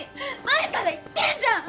前から言ってんじゃん！